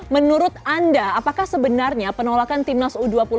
menurut anda apakah sebenarnya penolakan tim nasi israel